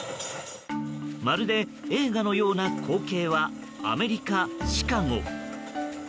まるで映画のような光景はアメリカ・シカゴ。